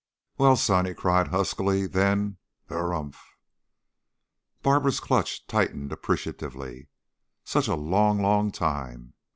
"Well, son!" he cried, huskily; then, "Harrumph!" Barbara's clutch tightened appreciatively. "Such a long, long time!"